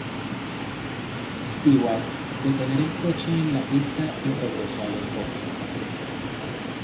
Stewart detener el coche en la pista y regresó a los boxes.